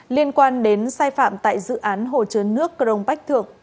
liên quan đến sai phạm tại dự án hồ chứa nước crong bách thượng